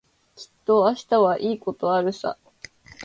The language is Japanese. きっと明日はいいことあるさ。